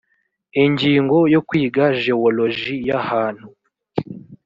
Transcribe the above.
ingingo ya kwiga jewoloji y ahantu